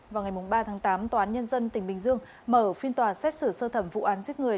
vào ngày ba tháng tám tòa án nhân dân tỉnh bình dương mở phiên tòa xét xử sơ thẩm vụ án giết người